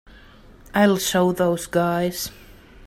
I'll show those guys.